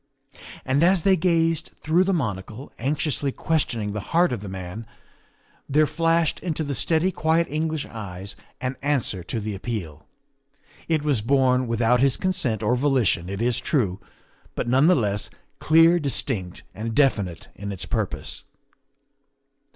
And as they gazed through the monocle, anxiously questioning the heart of the man, there flashed into the steady, quiet English eyes an answer to the appeal. It was born without his consent or volition, it is true, but none the less clear, distinct, and definite in its purpose.